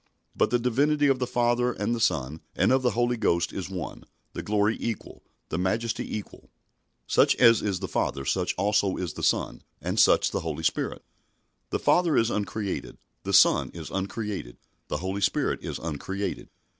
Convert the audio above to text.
But the divinity of the Father and the Son and of the Holy Ghost is one, the glory equal, the majesty equal. Such as is the Father, such also is the Son, and such the Holy Spirit. The Father is uncreated, the Son is uncreated, the Holy Spirit is uncreated.